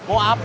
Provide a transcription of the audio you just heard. semua m golf